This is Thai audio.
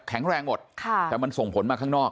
แรงหมดแต่มันส่งผลมาข้างนอก